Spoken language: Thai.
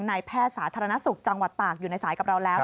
แพทย์สาธารณสุขจังหวัดตากอยู่ในสายกับเราแล้ว